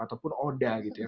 ataupun oda gitu ya